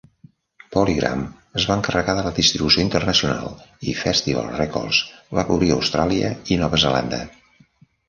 PolyGram es va encarregar de la distribució internacional i Festival Records va cobrir Austràlia i Nova Zelanda.